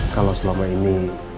kalau selama ini